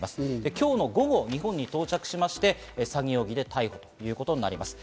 今日の午後、日本に到着しまして、詐欺容疑で逮捕ということになります。